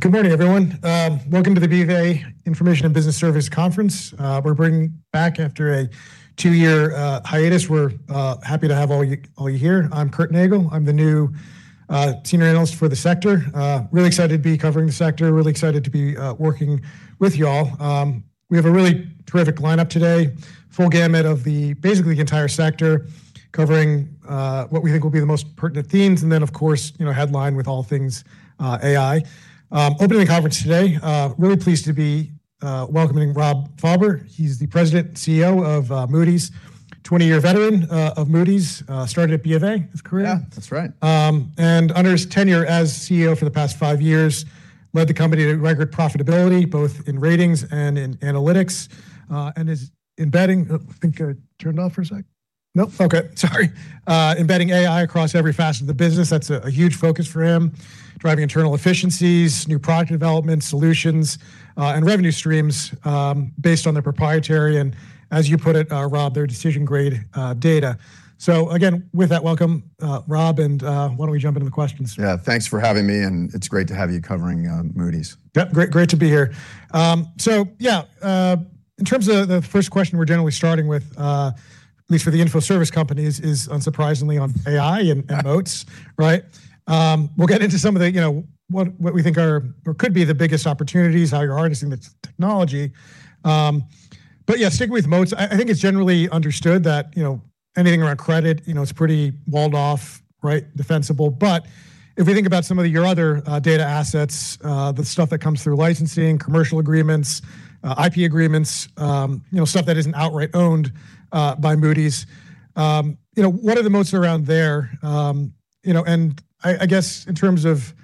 Good morning, everyone. Welcome to the BofA Information and Business Service Conference. We're bringing back after a two-year hiatus. We're happy to have all you here. I'm Curt Nagle. I'm the new senior analyst for the sector. Really excited to be covering the sector, really excited to be working with y'all. We have a really terrific lineup today, full gamut of basically the entire sector covering what we think will be the most pertinent themes and then of course, you know, headline with all things AI. Opening the conference today, really pleased to be welcoming Rob Fauber. He's the President and CEO of Moody's, 20-year veteran of Moody's, started at BofA his career. Yeah, that's right. Under his tenure as CEO for the past five years, led the company to record profitability, both in ratings and in analytics, and is embedding AI across every facet of the business. That's a huge focus for him, driving internal efficiencies, new product development solutions, and revenue streams, based on their proprietary and, as you put it, Rob, their decision-grade data. With that, welcome, Rob, and why don't we jump into the questions? Yeah, thanks for having me, and it's great to have you covering Moody's. Yep, great to be here. Yeah, in terms of the first question we're generally starting with, at least for the info service companies, is unsurprisingly on AI and moats, right? We'll get into some of the, you know, what we think are or could be the biggest opportunities, how you're harnessing the technology. Yeah, sticking with moats, I think it's generally understood that, you know, anything around credit, you know, is pretty walled off, right? Defensible. If we think about some of your other data assets, the stuff that comes through licensing, commercial agreements, IP agreements, you know, stuff that isn't outright owned by Moody's, you know, what are the moats around there? You know, I guess in terms of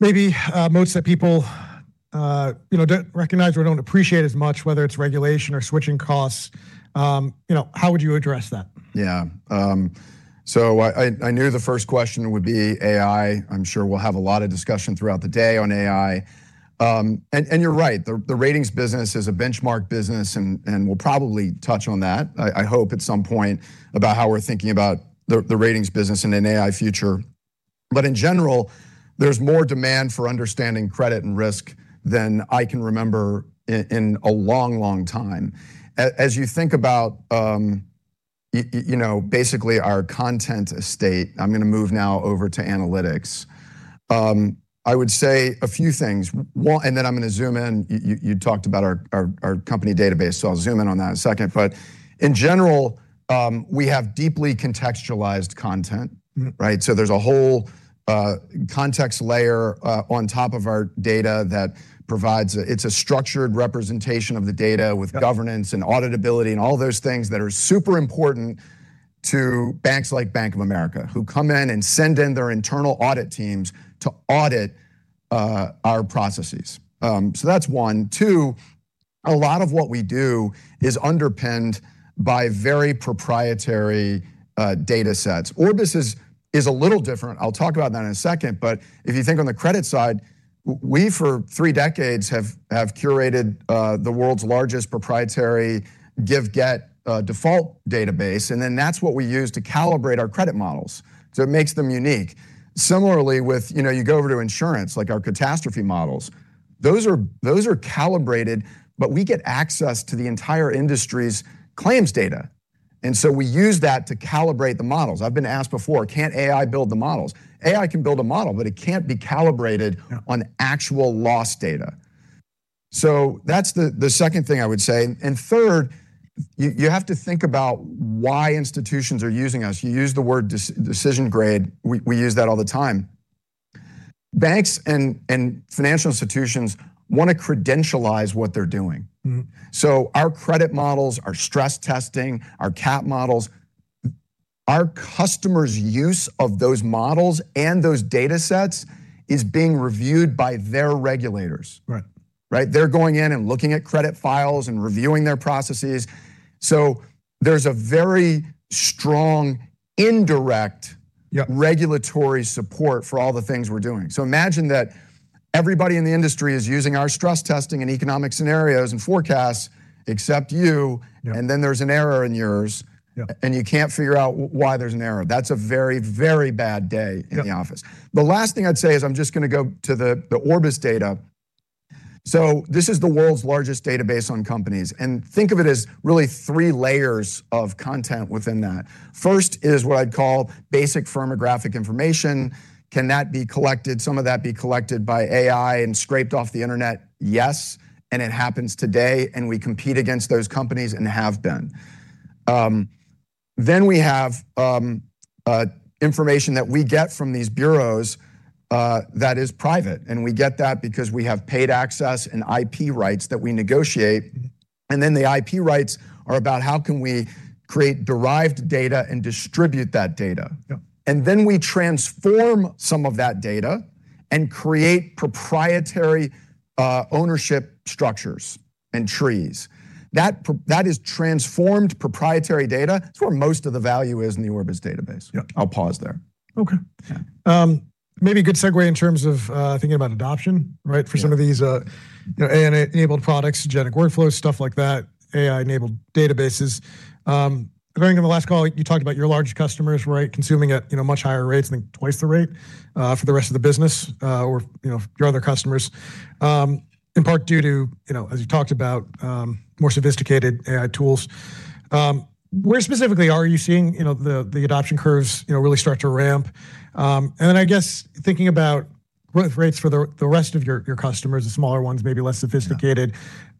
maybe moats that people you know don't recognize or don't appreciate as much, whether it's regulation or switching costs, you know, how would you address that? Yeah. So I knew the first question would be AI. I'm sure we'll have a lot of discussion throughout the day on AI. You're right, the ratings business is a benchmark business and we'll probably touch on that, I hope at some point about how we're thinking about the ratings business in an AI future. In general, there's more demand for understanding credit and risk than I can remember in a long time. As you think about, you know, basically our content estate, I'm gonna move now over to analytics. I would say a few things. One. Then I'm gonna zoom in. You talked about our company database, so I'll zoom in on that in a second. In general, we have deeply contextualized content. Mm-hmm. Right? There's a whole context layer on top of our data that provides. It's a structured representation of the data with- Yeah Governance and auditability and all those things that are super important to banks like Bank of America, who come in and send in their internal audit teams to audit our processes. That's one. Two, a lot of what we do is underpinned by very proprietary datasets. Orbis is a little different. I'll talk about that in a second. If you think on the credit side, we for three decades have curated the world's largest proprietary give/get default database, and then that's what we use to calibrate our credit models, so it makes them unique. Similarly, you know, you go over to insurance, like our catastrophe models, those are calibrated, but we get access to the entire industry's claims data, and so we use that to calibrate the models. I've been asked before, "Can't AI build the models?" AI can build a model, but it can't be calibrated- Yeah... on actual loss data. That's the second thing I would say. Third, you have to think about why institutions are using us. You used the word decision grade. We use that all the time. Banks and financial institutions wanna credentialize what they're doing. Mm-hmm. Our credit models, our stress testing, our CAPM models, our customers' use of those models and those datasets is being reviewed by their regulators. Right. Right? They're going in and looking at credit files and reviewing their processes. There's a very strong, indirect- Yep ...regulatory support for all the things we're doing. Imagine that everybody in the industry is using our stress testing and economic scenarios and forecasts, except you. Yeah. There's an error in yours. Yeah. You can't figure out why there's an error. That's a very, very bad day- Yeah... in the office. The last thing I'd say is I'm just gonna go to the Orbis data. This is the world's largest database on companies, and think of it as really three layers of content within that. First is what I'd call basic firmographic information. Can that be collected, some of that be collected by AI and scraped off the internet? Yes, and it happens today, and we compete against those companies and have been. We have information that we get from these bureaus that is private, and we get that because we have paid access and IP rights that we negotiate. Mm-hmm. The IP rights are about how can we create derived data and distribute that data. Yeah. We transform some of that data and create proprietary ownership structures and trees. That is transformed proprietary data. It's where most of the value is in the Orbis database. Yeah. I'll pause there. Okay. Yeah. Maybe a good segue in terms of thinking about adoption, right? Yeah. For some of these, you know, AI-enabled products, GenAI workflows, stuff like that, AI-enabled databases. During the last call, you talked about your largest customers, right? Consuming at, you know, much higher rates. I think twice the rate, for the rest of the business, or, you know, your other customers. In part due to, you know, as you talked about, more sophisticated AI tools. Where specifically are you seeing, you know, the adoption curves, you know, really start to ramp? I guess thinking about growth rates for the rest of your customers, the smaller ones maybe less sophisticated.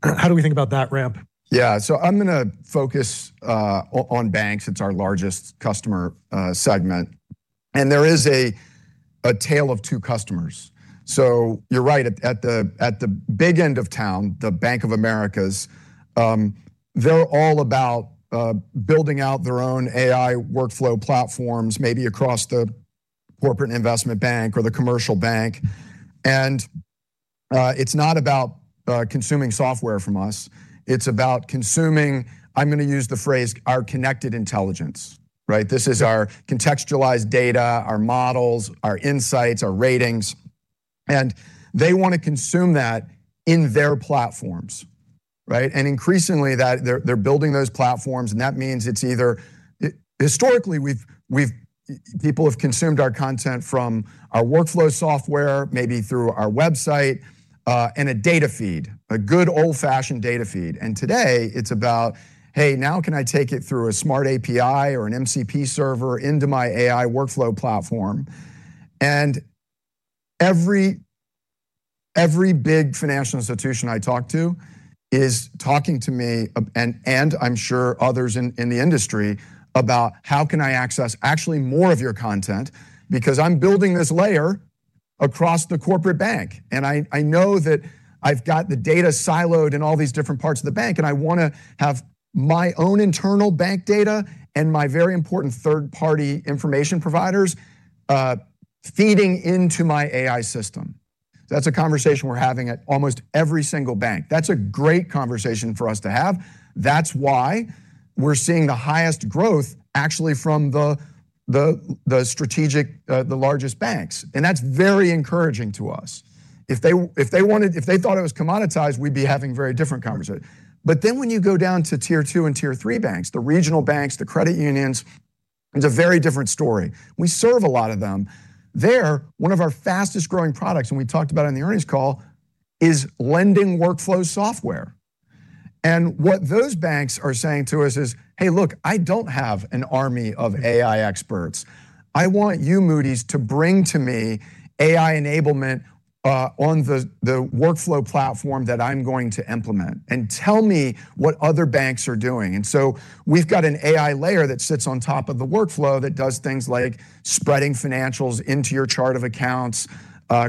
Yeah. How do we think about that ramp? Yeah. I'm gonna focus on banks. It's our largest customer segment. There is a tale of two customers. You're right, at the big end of town, the Bank of America, they're all about building out their own AI workflow platforms, maybe across the corporate investment bank or the commercial bank. It's not about consuming software from us, it's about consuming, I'm gonna use the phrase our connected intelligence, right? This is our contextualized data, our models, our insights, our ratings, and they want to consume that in their platforms, right? Increasingly, they're building those platforms, and that means historically, people have consumed our content from our workflow software, maybe through our website, and a data feed. A good old-fashioned data feed. Today it's about, "Hey, now can I take it through a smart API or an MCP server into my AI workflow platform?" Every big financial institution I talk to is talking to me about, and I'm sure others in the industry about how can I access actually more of your content because I'm building this layer across the corporate bank. I know that I've got the data siloed in all these different parts of the bank, and I wanna have my own internal bank data and my very important third-party information providers feeding into my AI system. That's a conversation we're having at almost every single bank. That's a great conversation for us to have. That's why we're seeing the highest growth actually from the largest banks, and that's very encouraging to us. If they thought it was commoditized, we'd be having very different conversation. When you go down to tier two and tier three banks, the regional banks, the credit unions, it's a very different story. We serve a lot of them. They're one of our fastest-growing products, and we talked about it on the earnings call, is lending workflow software. What those banks are saying to us is, "Hey, look, I don't have an army of AI experts. I want you, Moody's, to bring to me AI enablement on the workflow platform that I'm going to implement, and tell me what other banks are doing." We've got an AI layer that sits on top of the workflow that does things like spreading financials into your chart of accounts,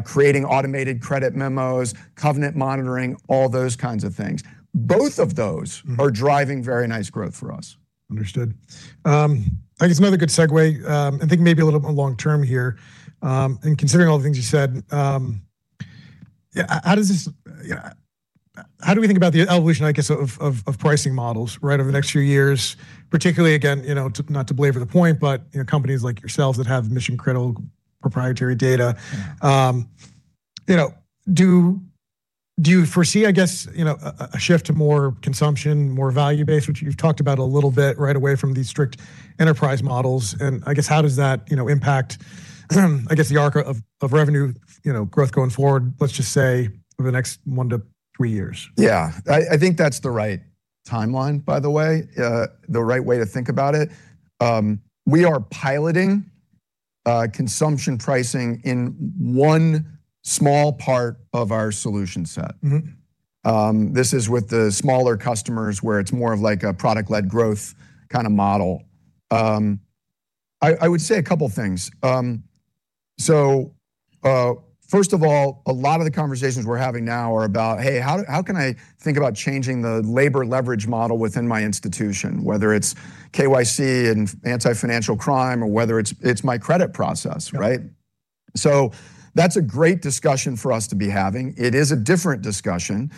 creating automated credit memos, covenant monitoring, all those kinds of things. Both of those- Mm are driving very nice growth for us. Understood. I guess another good segue, and thinking maybe a little more long term here, and considering all the things you said, yeah, how do we think about the evolution, I guess, of pricing models, right? Over the next few years, particularly again, you know, not to belabor the point, but, you know, companies like yourselves that have mission critical proprietary data. Yeah. Do you foresee, I guess, you know, a shift to more consumption, more value base, which you've talked about a little bit right away from these strict enterprise models. I guess, how does that, you know, impact, I guess, the arc of revenue, you know, growth going forward, let's just say over the next 1-3 years? Yeah. I think that's the right timeline, by the way. The right way to think about it. We are piloting consumption pricing in one small part of our solution set. Mm-hmm. This is with the smaller customers where it's more of like a product-led growth kinda model. I would say a couple things. First of all, a lot of the conversations we're having now are about, "Hey, how can I think about changing the labor leverage model within my institution, whether it's KYC and anti-financial crime or whether it's my credit process," right? Yeah. That's a great discussion for us to be having. It is a different discussion.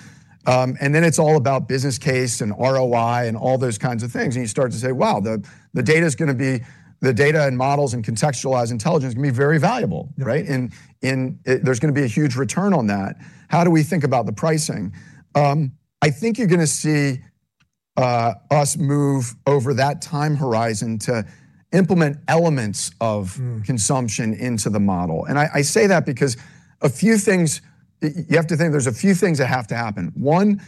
It's all about business case and ROI and all those kinds of things, and you start to say, "Wow, the data and models and connected intelligence can be very valuable," right? Yeah. There's gonna be a huge return on that. How do we think about the pricing? I think you're gonna see us move over that time horizon to implement elements of- Mm ...consumption into the model. I say that because you have to think, there's a few things that have to happen. One,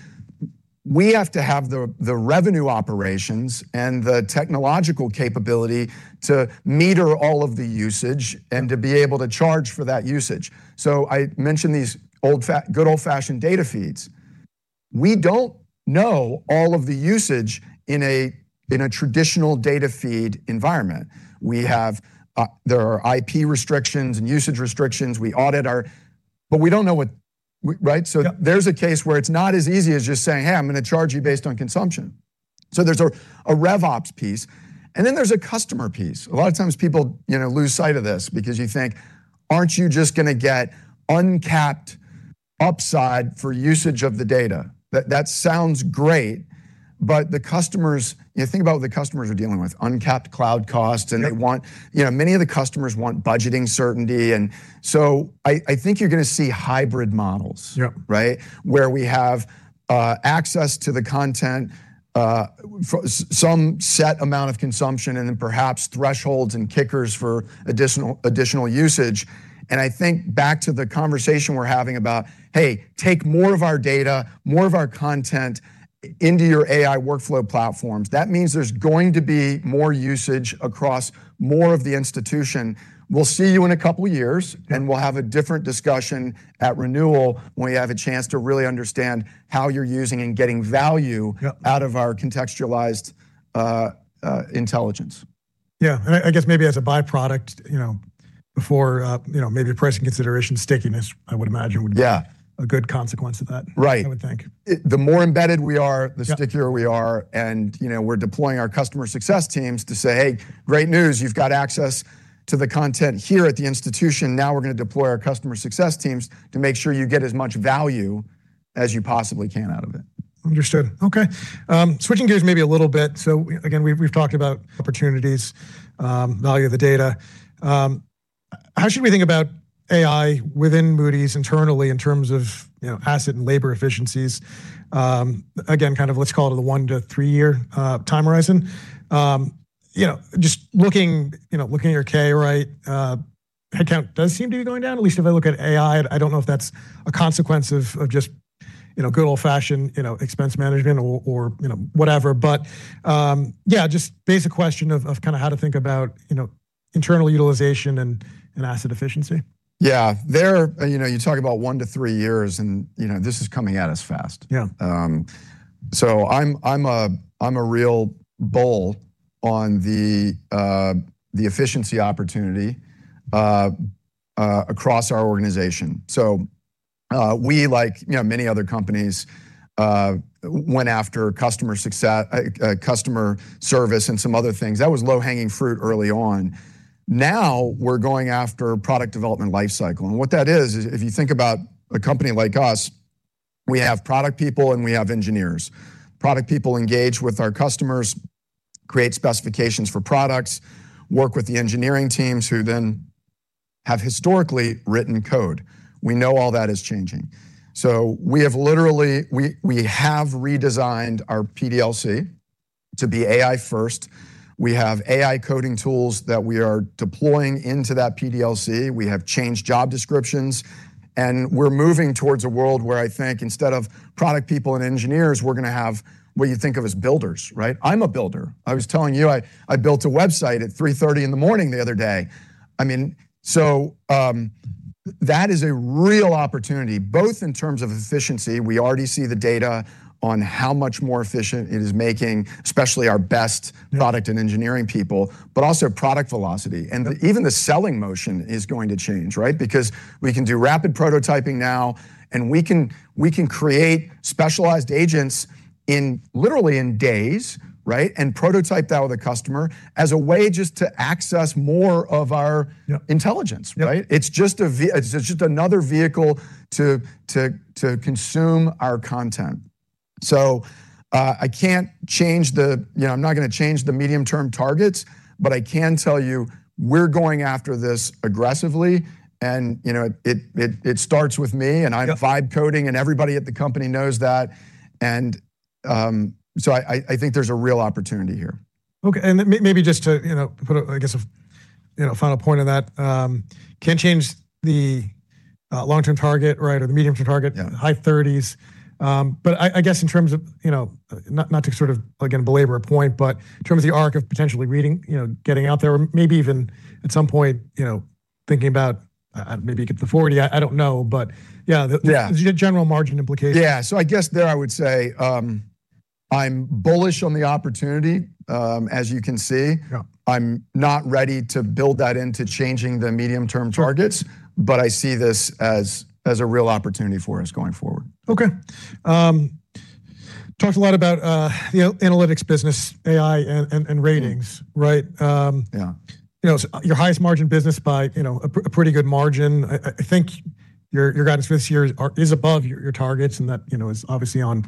we have to have the revenue operations and the technological capability to meter all of the usage. Yeah To be able to charge for that usage. I mentioned these good old-fashioned data feeds. We don't know all of the usage in a traditional data feed environment. There are I.P. restrictions and usage restrictions. We audit our. We don't know what, right? Yep. There's a case where it's not as easy as just saying, "Hey, I'm gonna charge you based on consumption." There's a rev ops piece, and then there's a customer piece. A lot of times people, you know, lose sight of this because you think, "Aren't you just gonna get uncapped upside for usage of the data." That sounds great, but the customers. You think about what the customers are dealing with. Uncapped cloud costs. Yep They want. You know, many of the customers want budgeting certainty. I think you're gonna see hybrid models. Yep. Right? Where we have access to the content for some set amount of consumption, and then perhaps thresholds and kickers for additional usage. I think back to the conversation we're having about, hey, take more of our data, more of our content into your AI workflow platforms. That means there's going to be more usage across more of the institution. We'll see you in a couple years. Yeah We'll have a different discussion at renewal when we have a chance to really understand how you're using and getting value- Yep... out of our connected intelligence. Yeah. I guess maybe as a byproduct, you know, before, you know, maybe pricing consideration stickiness, I would imagine would be- Yeah ...a good consequence of that. Right I would think. The more embedded we are- Yeah the stickier we are. You know, we're deploying our customer success teams to say, "Hey, great news. You've got access to the content here at the institution. Now we're gonna deploy our customer success teams to make sure you get as much value as you possibly can out of it. Understood. Okay. Switching gears maybe a little bit. Again, we've talked about opportunities, value of the data. How should we think about AI within Moody's internally in terms of, you know, asset and labor efficiencies? Again, kind of let's call it the 1-3 year time horizon. You know, just looking at your 10-K, right, headcount does seem to be going down, at least if I look at AI. I don't know if that's a consequence of just, you know, good old-fashioned, you know, expense management or, you know, whatever. Yeah, just basic question of kind of how to think about, you know, internal utilization and asset efficiency. Yeah, there, you know, you talk about 1-3 years and, you know, this is coming at us fast. Yeah. I'm a real bull on the efficiency opportunity across our organization. We, like you know, many other companies, went after customer success, customer service and some other things. That was low-hanging fruit early on. Now we're going after product development life cycle, and what that is is if you think about a company like us, we have product people and we have engineers. Product people engage with our customers, create specifications for products, work with the engineering teams who then have historically written code. We know all that is changing, so we have redesigned our PDLC to be AI first. We have AI coding tools that we are deploying into that PDLC. We have changed job descriptions, and we're moving towards a world where I think instead of product people and engineers, we're gonna have what you think of as builders, right? I'm a builder. I was telling you I built a website at 3:30 A.M. the other day. I mean, so that is a real opportunity, both in terms of efficiency. We already see the data on how much more efficient it is making especially our best- Yeah product and engineering people, but also product velocity. Yep. Even the selling motion is going to change, right? Because we can do rapid prototyping now, and we can create specialized agents in literally days, right? Prototype that with a customer as a way just to access more of our- Yeah ...intelligence, right? Yep. It's just another vehicle to consume our content. I can't change. You know, I'm not gonna change the medium-term targets. I can tell you we're going after this aggressively and, you know, it starts with me. Yep I vibe coding and everybody at the company knows that. I think there's a real opportunity here. Okay. Maybe just to, you know, put a, I guess a, you know, final point on that. Can't change the long-term target, right, or the medium-term target- Yeah... high 30s. I guess in terms of, you know, not to sort of again belabor a point, but in terms of the arc of potentially reaching, you know, getting out there or maybe even at some point, you know, thinking about, maybe get to 40. I don't know, but yeah,- Yeah ...the general margin implications. Yeah. I guess there I would say, I'm bullish on the opportunity, as you can see. Yeah. I'm not ready to build that into changing the medium-term targets. Sure. I see this as a real opportunity for us going forward. Okay. Talked a lot about the analytics business, AI and ratings, right? Yeah. You know, your highest margin business by, you know, a pretty good margin. I think your guidance for this year is above your targets, and that, you know, is obviously on,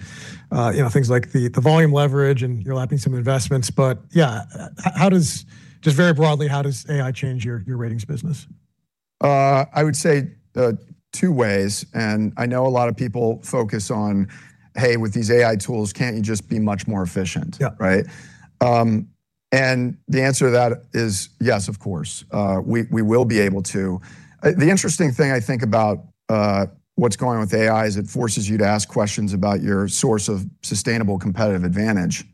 you know, things like the volume leverage and you're lapping some investments. Yeah, how does, just very broadly, how does AI change your ratings business? I would say two ways. I know a lot of people focus on, "Hey, with these AI tools, can't you just be much more efficient? Yeah. Right? The answer to that is yes, of course, we will be able to. The interesting thing I think about what's going on with AI is it forces you to ask questions about your source of sustainable competitive advantage.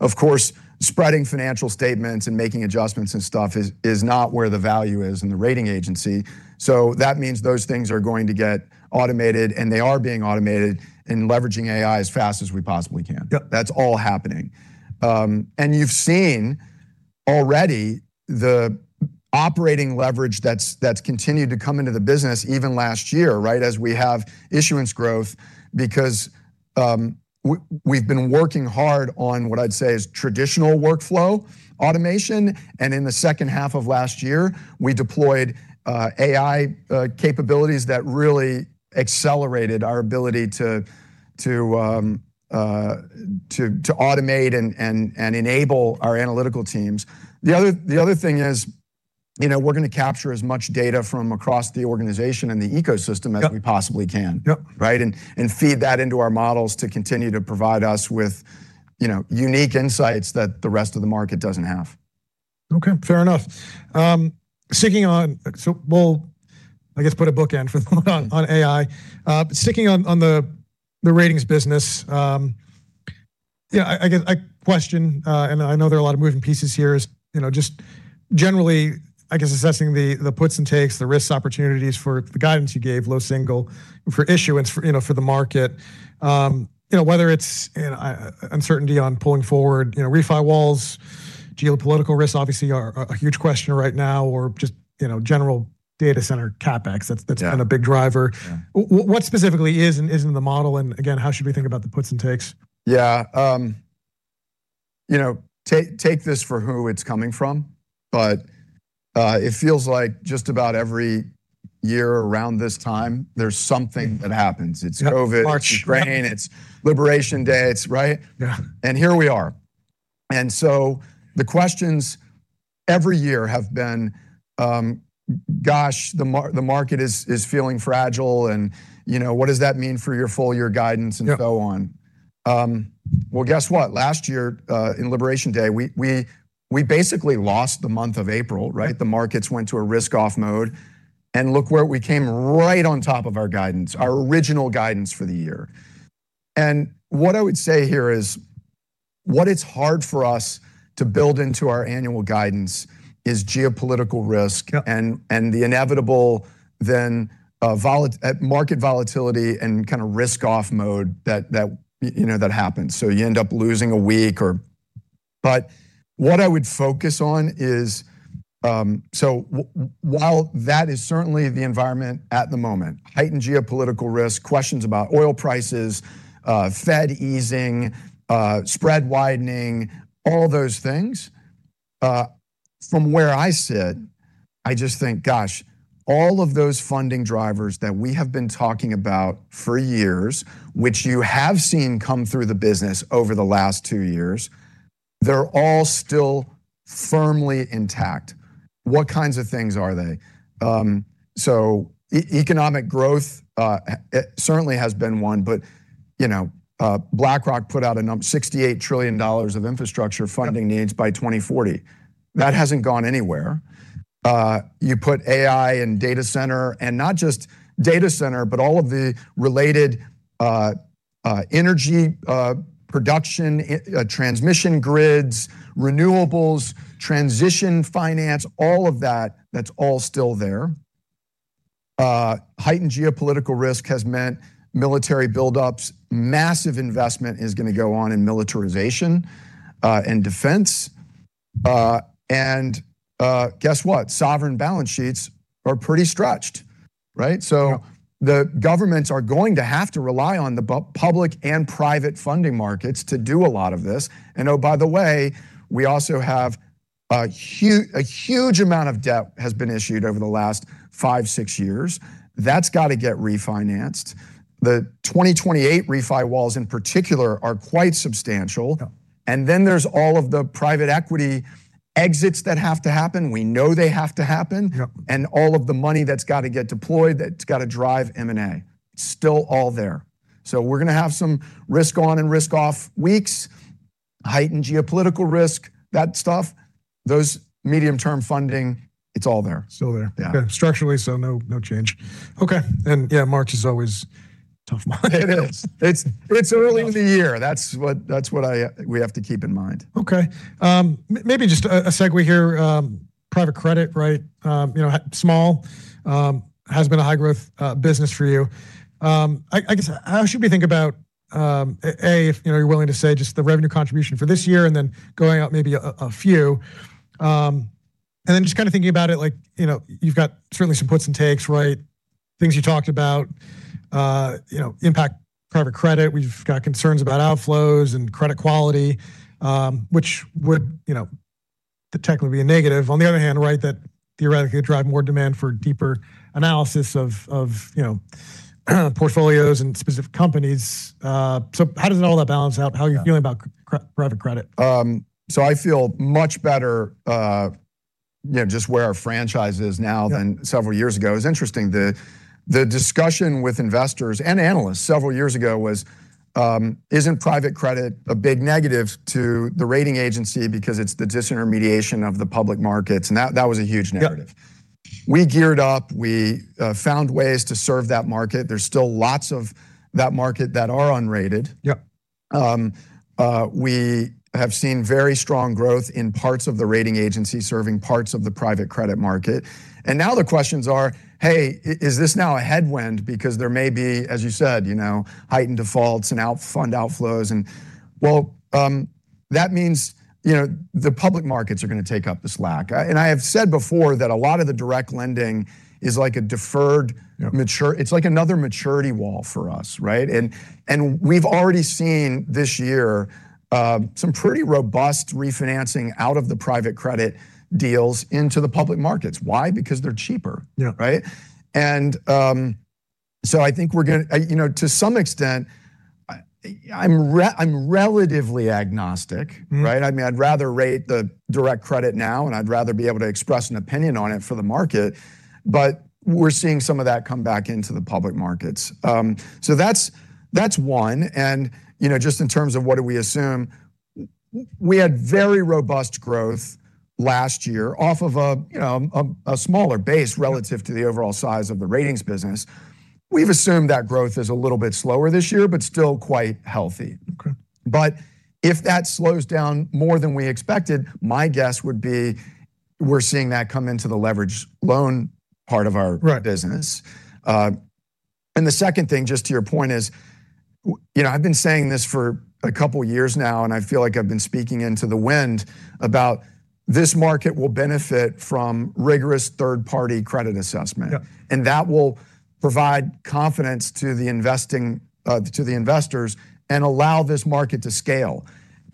Of course, spreading financial statements and making adjustments and stuff is not where the value is in the rating agency. That means those things are going to get automated, and they are being automated and leveraging AI as fast as we possibly can. Yep. That's all happening. You've seen already the operating leverage that's continued to come into the business even last year, right, as we have issuance growth. We've been working hard on what I'd say is traditional workflow automation, and in the second half of last year, we deployed AI capabilities that really accelerated our ability to automate and enable our analytical teams. The other thing is, you know, we're gonna capture as much data from across the organization and the ecosystem. Yep As we possibly can. Yep. Right? Feed that into our models to continue to provide us with, you know, unique insights that the rest of the market doesn't have. Okay. Fair enough. We'll, I guess, put a bookend on AI. Sticking on the ratings business, yeah, I question, and I know there are a lot of moving pieces here, you know, just generally, I guess, assessing the puts and takes, the risks, opportunities for the guidance you gave, low single, for issuance for, you know, for the market. You know, whether it's uncertainty on pulling forward, you know, Refi Walls, geopolitical risks obviously are a huge question right now or just, you know, general data center CapEx that's- Yeah That's been a big driver. Yeah. What specifically is and isn't the model and, again, how should we think about the puts and takes? Yeah. You know, take this for who it's coming from, but it feels like just about every year around this time, there's something that happens. Yep. It's COVID. March. Ukraine. It's Liberation Day. It's, right? Yeah. Here we are. The questions every year have been, gosh, the market is feeling fragile and, you know, what does that mean for your full-year guidance? Yep Well, guess what? Last year, in Liberation Day, we basically lost the month of April, right? The markets went to a risk-off mode, and look where we came right on top of our guidance, our original guidance for the year. What I would say here is what is hard for us to build into our annual guidance is geopolitical risk- Yep the inevitable market volatility and kinda risk-off mode that you know that happens, so you end up losing a week. What I would focus on is, while that is certainly the environment at the moment, heightened geopolitical risk, questions about oil prices, Fed easing, spread widening, all those things, from where I sit, I just think, gosh, all of those funding drivers that we have been talking about for years, which you have seen come through the business over the last two years, they're all still firmly intact. What kinds of things are they? Economic growth certainly has been one, but, you know, BlackRock put out a $68 trillion of infrastructure funding. Yep Needs by 2040. That hasn't gone anywhere. You put AI and data center, and not just data center, but all of the related energy production, transmission grids, renewables, transition finance, all of that's all still there. Heightened geopolitical risk has meant military buildups. Massive investment is gonna go on in militarization and defense, and guess what? Sovereign balance sheets are pretty stretched, right? Yeah The governments are going to have to rely on the public and private funding markets to do a lot of this. Oh, by the way, we also have a huge amount of debt has been issued over the last five, six years. That's gotta get refinanced. The 2028 Refi Walls in particular are quite substantial. Yeah. There's all of the private equity exits that have to happen. We know they have to happen. Yep. All of the money that's gotta get deployed, that's gotta drive M&A. Still all there. We're gonna have some risk on and risk off weeks, heightened geopolitical risk, that stuff, those medium term funding, it's all there. Still there. Yeah. Okay. Structurally, no change. Okay. Yeah, March is always a tough month. It is. It's early- Tough ...in the year. That's what we have to keep in mind. Okay. Maybe just a segue here. Private Credit, right? You know, has been a small high growth business for you. I guess how should we think about, if you're willing to say, just the revenue contribution for this year and then going out maybe a few. And then just kinda thinking about it, like, you know, you've got certainly some puts and takes, right? Things you talked about, you know, impact Private Credit. We've got concerns about outflows and credit quality, which would potentially be a negative. On the other hand, right, that theoretically could drive more demand for deeper analysis of, you know, portfolios and specific companies. How does all that balance out? Yeah. How are you feeling about Private Credit? I feel much better, you know, just where our franchise is now- Yeah than several years ago. It's interesting, the discussion with investors and analysts several years ago was, "Isn't Private Credit a big negative to the rating agency because it's the disintermediation of the public markets?" That was a huge narrative. Yep. We geared up. We found ways to serve that market. There's still lots of that market that are unrated. Yep. We have seen very strong growth in parts of the rating agency serving parts of the Private Credit market. Now the questions are, "Hey, is this now a headwind?" Because there may be, as you said, you know, heightened defaults and fund outflows. That means, you know, the public markets are gonna take up the slack. I have said before that a lot of the direct lending is like a deferred matur- Yeah It's like another maturity wall for us, right? We've already seen this year some pretty robust refinancing out of the Private Credit deals into the public markets. Why? Because they're cheaper. Yeah. Right? I think we're gonna, you know, to some extent, I'm relatively agnostic. Mm-hmm. Right? I mean, I'd rather rate the direct credit now, and I'd rather be able to express an opinion on it for the market, but we're seeing some of that come back into the public markets. That's one. You know, just in terms of what do we assume, we had very robust growth last year off of a, you know, a smaller base. Yeah Relative to the overall size of the ratings business. We've assumed that growth is a little bit slower this year, but still quite healthy. Okay. If that slows down more than we expected, my guess would be we're seeing that come into the leveraged loan part of our- Right... business. The second thing, just to your point is, you know, I've been saying this for a couple years now, and I feel like I've been speaking into the wind about this market will benefit from rigorous third-party credit assessment. Yeah. That will provide confidence to the investors and allow this market to scale.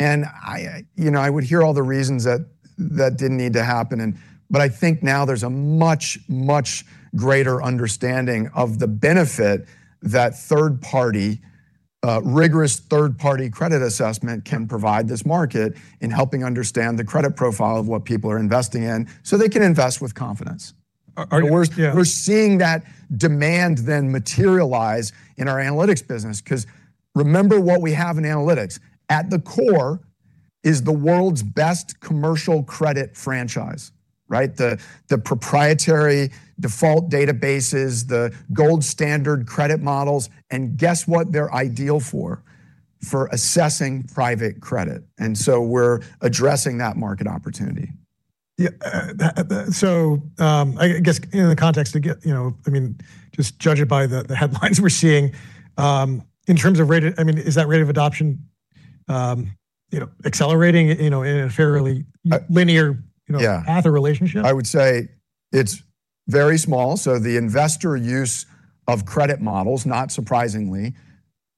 I you know would hear all the reasons that that didn't need to happen. I think now there's a much greater understanding of the benefit that third-party rigorous third-party credit assessment can provide this market in helping understand the credit profile of what people are investing in so they can invest with confidence. Yeah. We're seeing that demand to materialize in our analytics business, 'cause remember what we have in analytics. At the core is the world's best commercial credit franchise, right? The proprietary default databases, the gold standard credit models, and guess what they're ideal for? For assessing Private Credit. We're addressing that market opportunity. Yeah. I guess, you know, in the context to get, you know, I mean, just judging by the headlines we're seeing, in terms of rate, I mean, is that rate of adoption, you know, accelerating, you know, in a fairly linear, you know- Yeah ...path or relationship? I would say it's very small. The investor use of credit models, not surprisingly,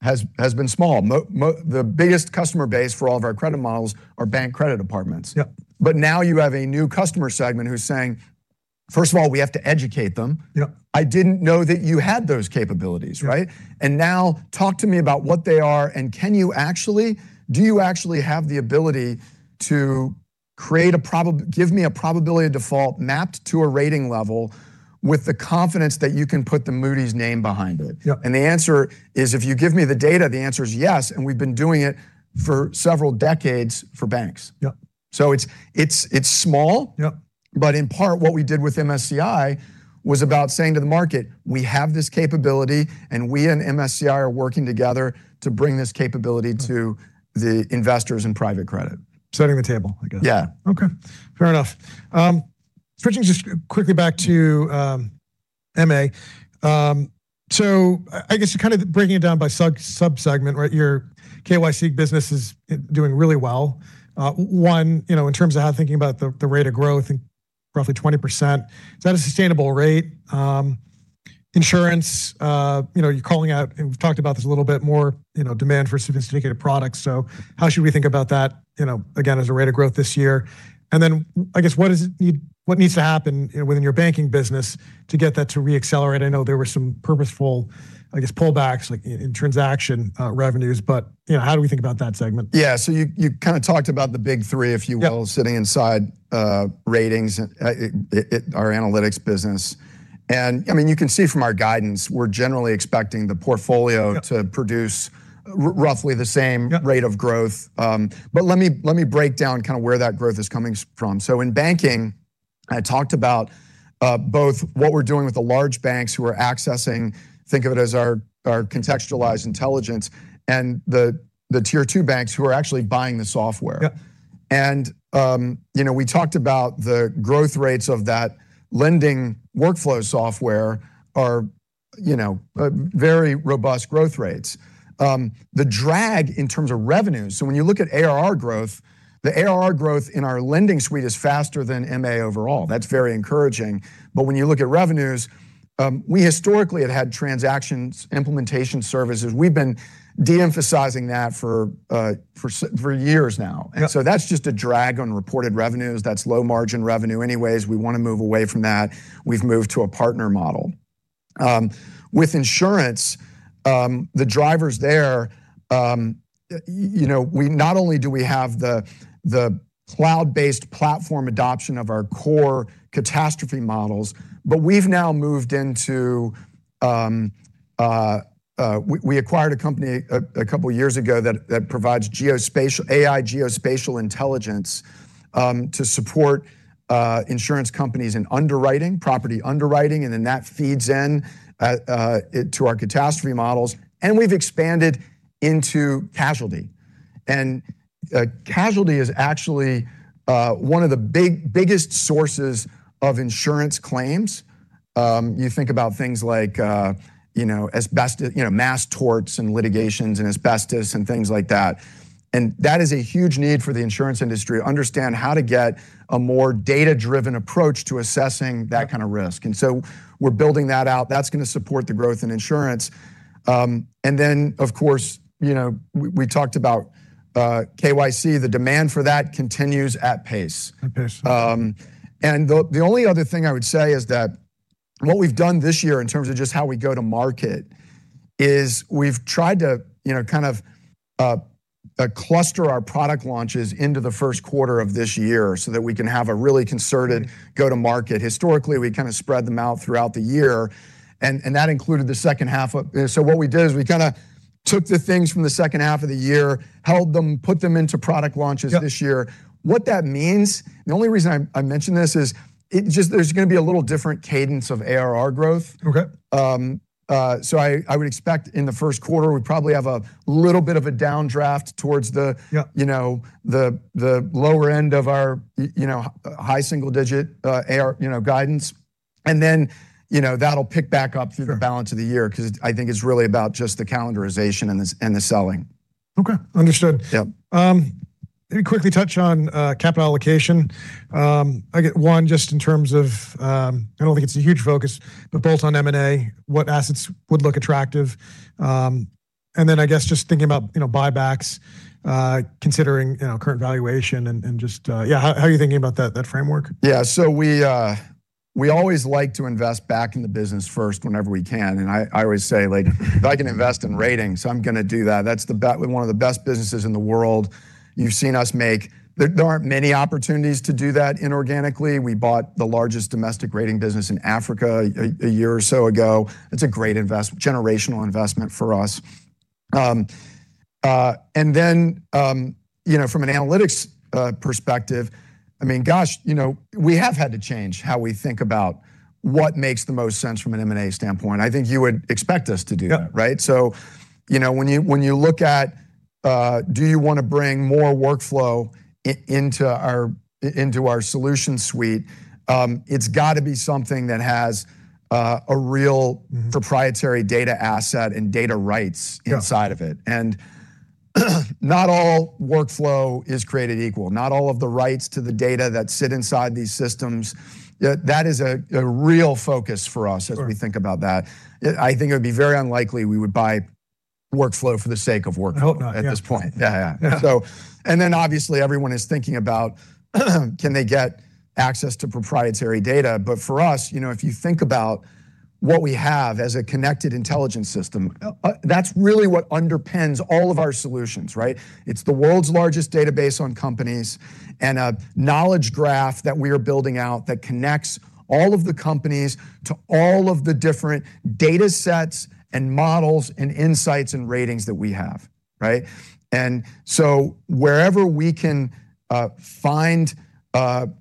has been small. The biggest customer base for all of our credit models are bank credit departments- Yep. ...now you have a new customer segment who's saying, first of all, we have to educate them. Yep. I didn't know that you had those capabilities, right? Now talk to me about what they are, and do you actually have the ability to give me a probability of default mapped to a rating level with the confidence that you can put the Moody's name behind it? Yep. The answer is, if you give me the data, the answer is yes, and we've been doing it for several decades for banks. Yep. It's small. Yep. In part, what we did with MSCI was about saying to the market, "We have this capability, and we and MSCI are working together to bring this capability to the investors in Private Credit. Setting the table, I guess. Yeah. Okay. Fair enough. Switching just quickly back to M&A. I guess just kind of breaking it down by subsegment, right? Your KYC business is doing really well. One, you know, in terms of how to think about the rate of growth, I think roughly 20%. Is that a sustainable rate? Insurance, you know, you're calling out, and we've talked about this a little bit more, you know, demand for sophisticated products. How should we think about that, you know, again, as a rate of growth this year? I guess, what does it need, what needs to happen, you know, within your banking business to get that to re-accelerate? I know there were some purposeful, I guess, pullbacks, like in transaction revenues. You know, how do we think about that segment? Yeah. You kind of talked about the big three. Yep... if you will, sitting inside Ratings, our Analytics business. I mean, you can see from our guidance, we're generally expecting the portfolio- Yep... to produce roughly the same rate of growth. Let me break down kind of where that growth is coming from. In banking, I talked about both what we're doing with the large banks who are accessing, think of it as our connected intelligence, and the tier two banks who are actually buying the software. Yep. You know, we talked about the growth rates of that lending workflow software are very robust growth rates. The drag in terms of revenues, so when you look at ARR growth, the ARR growth in our lending suite is faster than MA overall. That's very encouraging. When you look at revenues, we historically have had transactions, implementation services. We've been de-emphasizing that for years now. Yep. That's just a drag on reported revenues. That's low margin revenue anyways. We want to move away from that. We've moved to a partner model. With insurance, the drivers there, not only do we have the cloud-based platform adoption of our core catastrophe models, but we acquired a company a couple years ago that provides geospatial AI geospatial intelligence to support insurance companies in underwriting, property underwriting, and then that feeds in to our catastrophe models. We've expanded into casualty. Casualty is actually one of the biggest sources of insurance claims. You think about things like, you know, mass torts and litigations and asbestos and things like that. That is a huge need for the insurance industry to understand how to get a more data-driven approach to assessing that kind of risk. We're building that out. That's gonna support the growth in insurance. Of course, you know, we talked about KYC, the demand for that continues at pace. At pace. The only other thing I would say is that what we've done this year in terms of just how we go to market is we've tried to, you know, kind of cluster our product launches into the first quarter of this year so that we can have a really concerted go to market. Historically, we kind of spread them out throughout the year and that included the second half of the year. So what we did is we kinda took the things from the second half of the year, held them, put them into product launches. Yeah This year. What that means, the only reason I mention this is it just, there's gonna be a little different cadence of ARR growth. Okay. I would expect in the first quarter we probably have a little bit of a downdraft towards the- Yeah you know, the lower end of our you know, high single-digit AR you know, guidance. Then, you know, that'll pick back up- Sure through the balance of the year 'cause it, I think it's really about just the calendarization and the selling. Okay. Understood. Yep. Let me quickly touch on capital allocation. I got one just in terms of, I don't think it's a huge focus, but built on M&A, what assets would look attractive? Then I guess just thinking about, you know, buybacks, considering, you know, current valuation and just, yeah. How are you thinking about that framework? We always like to invest back in the business first whenever we can, and I always say like if I can invest in ratings, I'm gonna do that. That's one of the best businesses in the world. You've seen us make. There aren't many opportunities to do that inorganically. We bought the largest domestic rating business in Africa a year or so ago. It's a great generational investment for us. You know, from an analytics perspective, I mean, gosh, you know, we have had to change how we think about what makes the most sense from an M&A standpoint. I think you would expect us to do that. Yeah. Right? You know, when you look at, do you wanna bring more workflow into our solution suite, it's gotta be something that has a real- Mm-hmm proprietary data asset and data rights Yeah... inside of it. Not all workflow is created equal. Not all of the rights to the data that sit inside these systems. That is a real focus for us- Sure As we think about that. I think it would be very unlikely we would buy workflow for the sake of workflow. I hope not, yeah. At this point. Yeah, yeah. Yeah. Obviously everyone is thinking about can they get access to proprietary data? For us, you know, if you think about what we have as a connected intelligence system. Uh- That's really what underpins all of our solutions, right? It's the world's largest database on companies and a knowledge graph that we are building out that connects all of the companies to all of the different data sets and models and insights and ratings that we have, right? Wherever we can find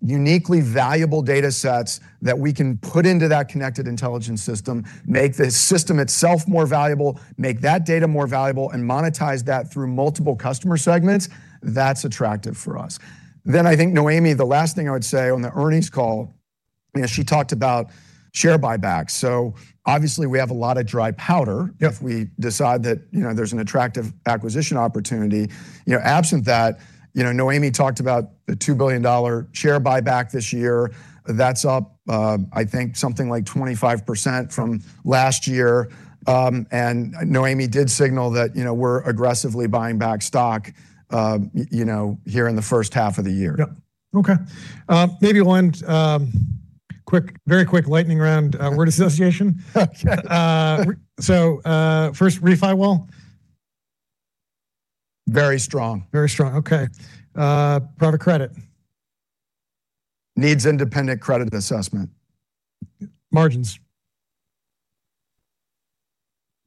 uniquely valuable data sets that we can put into that connected intelligence system, make the system itself more valuable, make that data more valuable, and monetize that through multiple customer segments, that's attractive for us. I think Noémie, the last thing I would say on the earnings call, you know, she talked about share buybacks. Obviously we have a lot of dry powder. Yep If we decide that, you know, there's an attractive acquisition opportunity. You know, absent that, you know, Noémie talked about the $2 billion share buyback this year. That's up, I think something like 25% from last year. Noémie did signal that, you know, we're aggressively buying back stock, you know, here in the first half of the year. Yep. Okay. Maybe one quick, very quick lightning round word association. Okay. First Refi Wall. Very strong. Very strong. Okay. Private Credit. Needs independent credit assessment. Margins.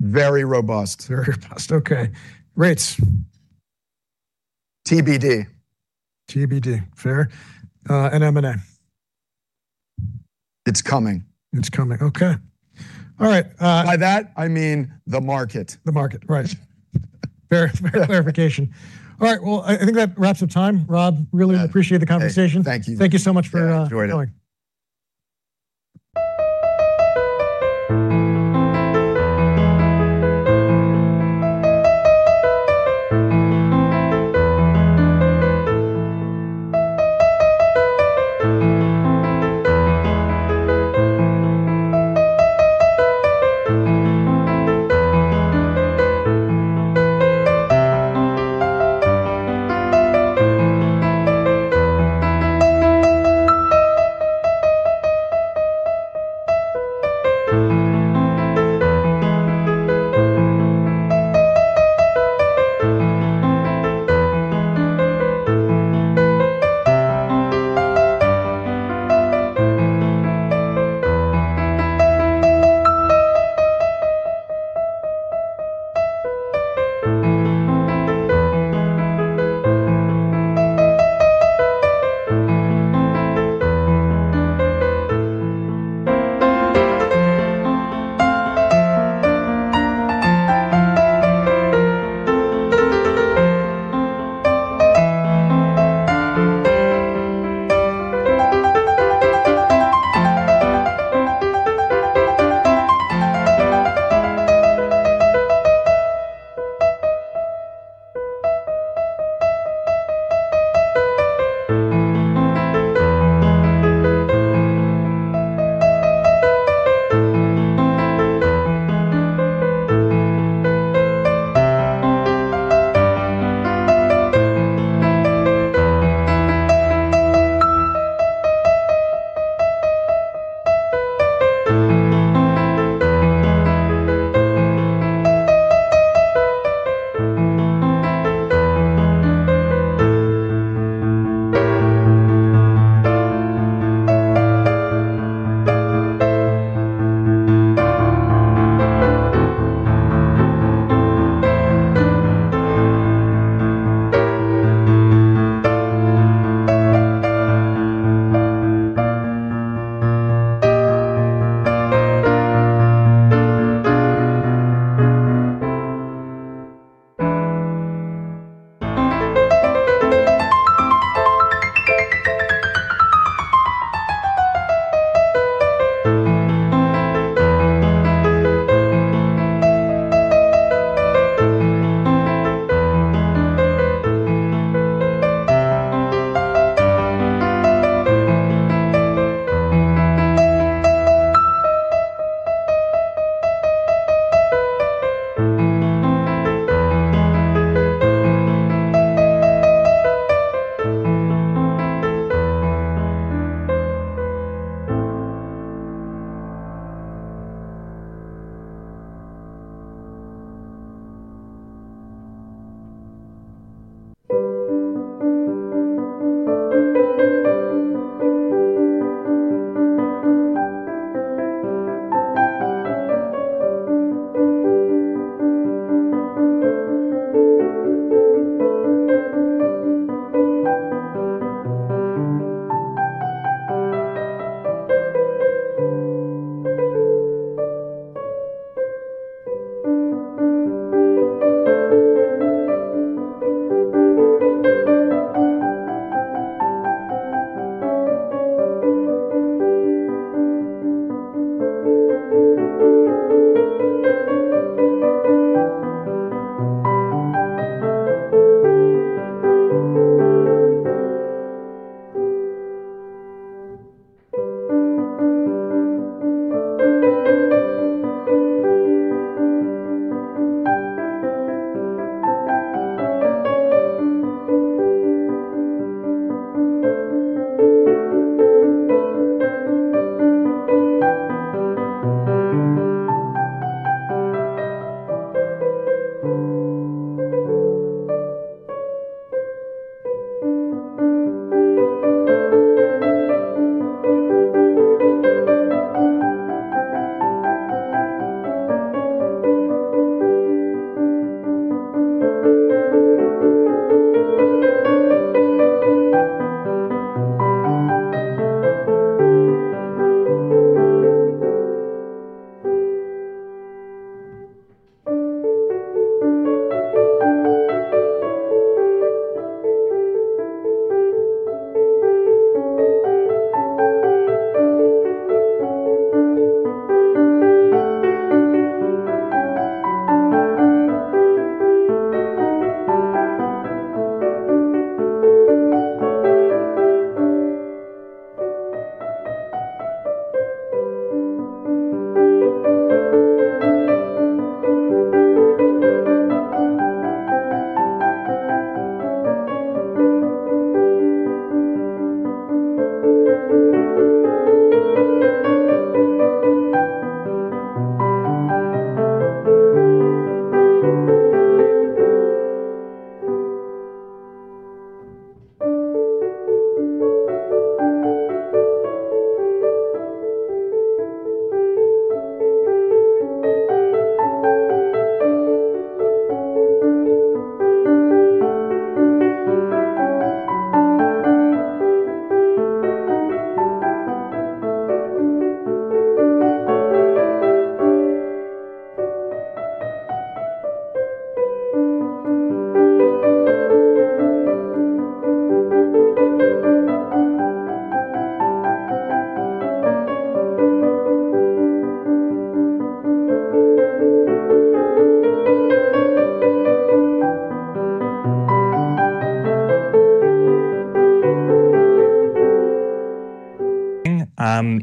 Very robust. Very robust. Okay. Rates. TBD. TBD. Fair. M&A. It's coming. It's coming. Okay. All right. By that I mean the market. The market, right. Verification. All right. Well, I think that wraps up time. Rob, really appreciate the conversation. Hey, thank you. Thank you so much for. Yeah, enjoyed it. Coming.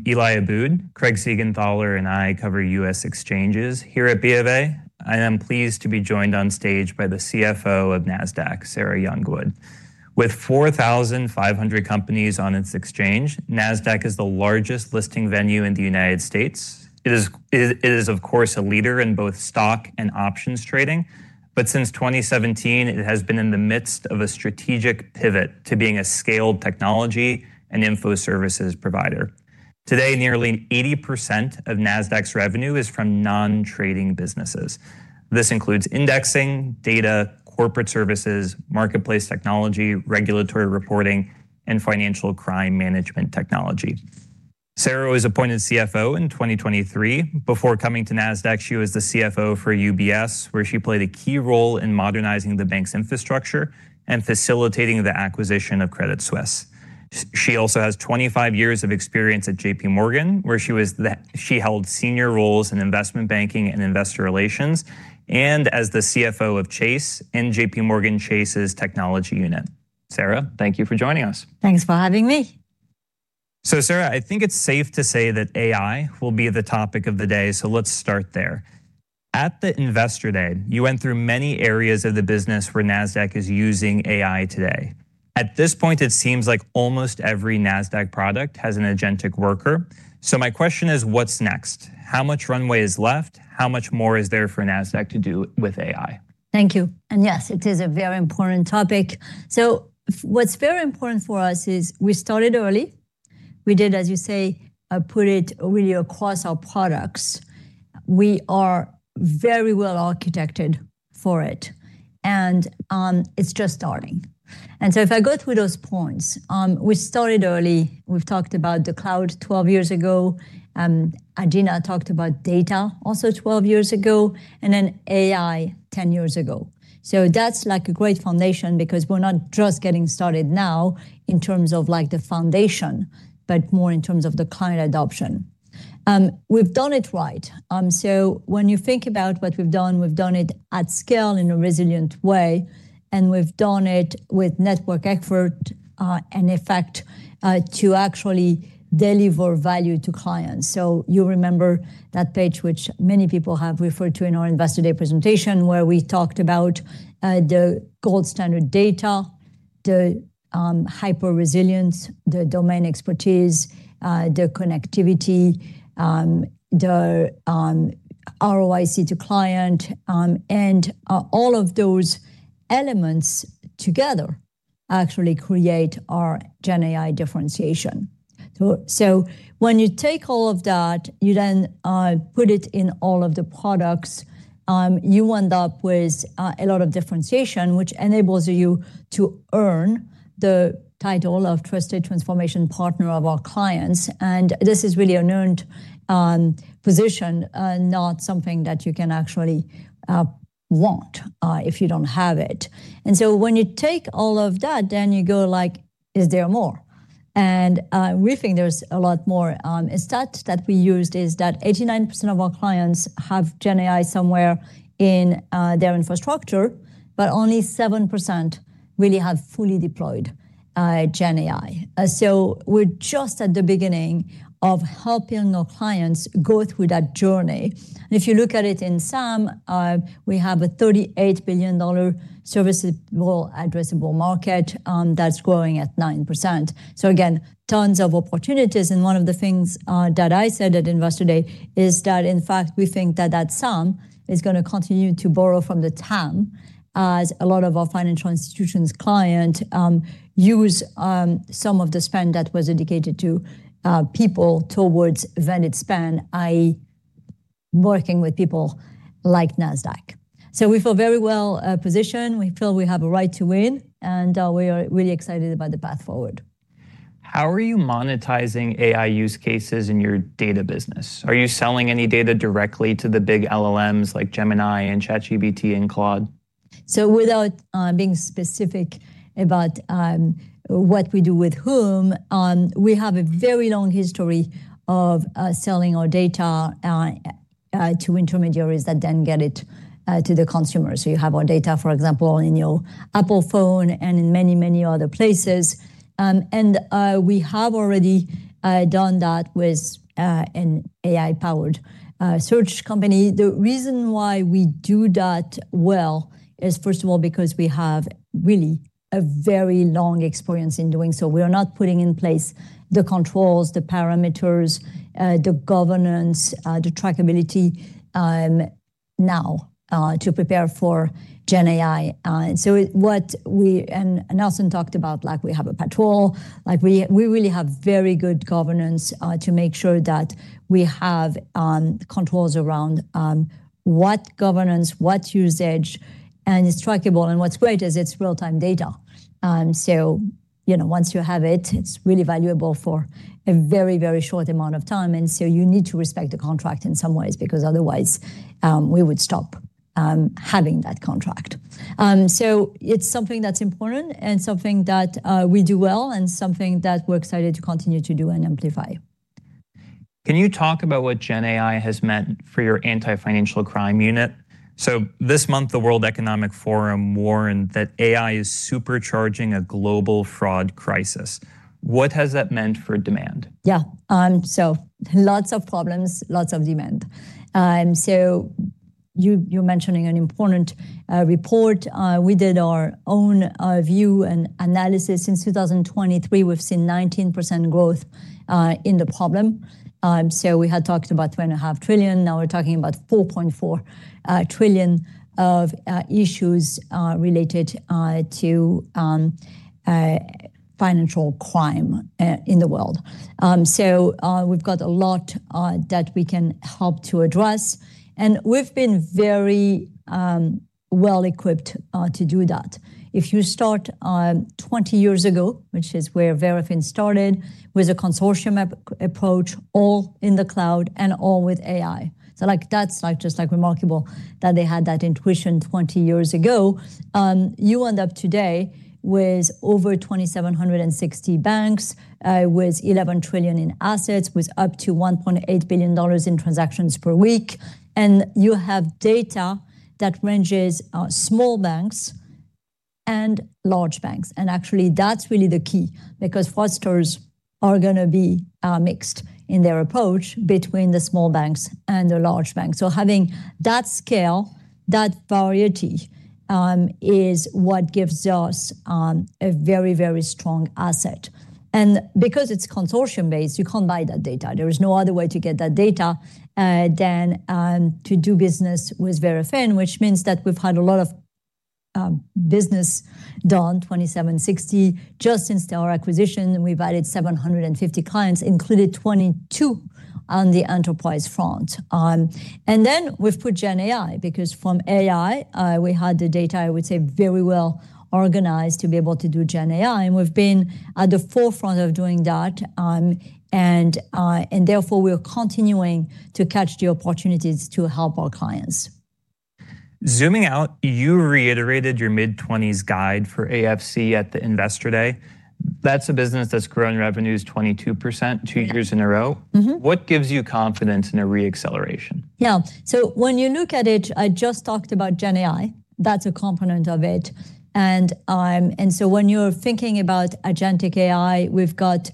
I'm Eli Abboud. Craig Siegenthaler and I cover U.S. exchanges here at BofA. I am pleased to be joined on stage by the CFO of Nasdaq, Sarah Youngwood. With 4,500 companies on its exchange, Nasdaq is the largest listing venue in the United States. It is of course a leader in both stock and options trading. Since 2017, it has been in the midst of a strategic pivot to being a scaled technology and info services provider. Today, nearly 80% of Nasdaq's revenue is from non-trading businesses. This includes indexing, data, corporate services, marketplace technology, regulatory reporting, and financial crime management technology. Sarah was appointed CFO in 2023. Before coming to Nasdaq, she was the CFO for UBS, where she played a key role in modernizing the bank's infrastructure and facilitating the acquisition of Credit Suisse. She also has 25 years of experience at JPMorgan, where she held senior roles in investment banking and investor relations and as the CFO of Chase and JPMorgan Chase's technology unit. Sarah, thank you for joining us. Thanks for having me. Sarah, I think it's safe to say that AI will be the topic of the day, so let's start there. At the Investor Day, you went through many areas of the business where Nasdaq is using AI today. At this point, it seems like almost every Nasdaq product has an agentic worker. My question is, what's next? How much runway is left? How much more is there for Nasdaq to do with AI? Thank you. Yes, it is a very important topic. What's very important for us is we started early. We did, as you say, put it really across our products. We are very well architected for it. It's just starting. If I go through those points, we started early. We've talked about the cloud 12 years ago. Adena talked about data also 12 years ago, and then AI 10 years ago. That's like a great foundation because we're not just getting started now in terms of, like, the foundation, but more in terms of the client adoption. We've done it right. When you think about what we've done, we've done it at scale in a resilient way, and we've done it with network effect to actually deliver value to clients. You remember that page which many people have referred to in our Investor Day presentation, where we talked about the gold standard data, the hyper-resilience, the domain expertise, the connectivity, the ROIC to client, and all of those elements together actually create our GenAI differentiation. When you take all of that, you then put it in all of the products, you end up with a lot of differentiation, which enables you to earn the title of trusted transformation partner of our clients. This is really an earned position, not something that you can actually want if you don't have it. When you take all of that, you go like, "Is there more?" We think there's a lot more. A stat that we used is that 89% of our clients have GenAI somewhere in their infrastructure, but only 7% really have fully deployed GenAI. We're just at the beginning of helping our clients go through that journey. If you look at it in sum, we have a $38 billion serviceable addressable market that's growing at 9%. Again, tons of opportunities. One of the things that I said at Investor Day is that, in fact, we think that sum is gonna continue to borrow from the TAM as a lot of our financial institutions clients use some of the spend that was internal towards vendor spend, i.e. working with people like Nasdaq. We feel very well positioned. We feel we have a right to win, and we are really excited about the path forward. How are you monetizing AI use cases in your data business? Are you selling any data directly to the big LLMs like Gemini and ChatGPT and Claude? Without being specific about what we do with whom, we have a very long history of selling our data to intermediaries that then get it to the consumer. You have our data, for example, in your Apple phone and in many, many other places. We have already done that with an AI-powered search company. The reason why we do that well is, first of all, because we have really a very long experience in doing so. We are not putting in place the controls, the parameters, the governance, the trackability now to prepare for GenAI. Nelson talked about, like, we have a portal. Like, we really have very good governance to make sure that we have controls around what governance, what usage, and it's trackable. What's great is it's real-time data. You know, once you have it's really valuable for a very, very short amount of time. You need to respect the contract in some ways, because otherwise, we would stop having that contract. It's something that's important and something that we do well and something that we're excited to continue to do and amplify. Can you talk about what GenAI has meant for your anti-financial crime unit? This month, the World Economic Forum warned that AI is supercharging a global fraud crisis. What has that meant for demand? Yeah. Lots of problems, lots of demand. You're mentioning an important report. We did our own view and analysis. Since 2023, we've seen 19% growth in the problem. We had talked about $2.5 trillion. Now we're talking about $4.4 trillion of issues related to financial crime in the world. We've got a lot that we can help to address, and we've been very well-equipped to do that. If you start 20 years ago, which is where Verafin started, with a consortium approach, all in the cloud and all with AI. Like, that's like just like remarkable that they had that intuition 20 years ago. You end up today with over 2,760 banks with $11 trillion in assets, with up to $1.8 billion in transactions per week. You have data that ranges small banks and large banks. Actually that's really the key because fraudsters are gonna be mixed in their approach between the small banks and the large banks. Having that scale, that variety, is what gives us a very, very strong asset. Because it's consortium-based, you can't buy that data. There is no other way to get that data than to do business with Verafin, which means that we've had a lot of business done 2,760 just since their acquisition, and we've added 750 clients, including 22 on the enterprise front. We've put GenAI because from AI, we had the data, I would say, very well organized to be able to do GenAI, and we've been at the forefront of doing that. Therefore we're continuing to catch the opportunities to help our clients. Zooming out, you reiterated your mid-20s guide for AFC at the Investor Day. That's a business that's grown revenues 22% two years in a row. Mm-hmm. What gives you confidence in a re-acceleration? Yeah. When you look at it, I just talked about GenAI. That's a component of it. When you're thinking about agentic AI, we've got